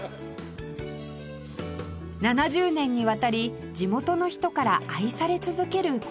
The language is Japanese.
７０年にわたり地元の人から愛され続けるこちら